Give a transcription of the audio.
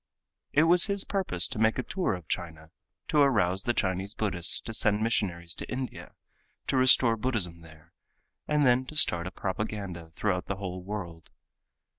It was his purpose to make a tour of China, to arouse the Chinese Buddhists to send missionaries to India to restore Buddhism there, and then to start a propaganda throughout the whole world.